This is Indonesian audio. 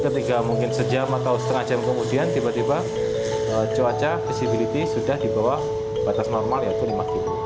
ketika mungkin sejam atau setengah jam kemudian tiba tiba cuaca visibility sudah di bawah batas normal yaitu lima km